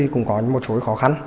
cũng có một số khó khăn